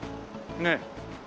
ねえ。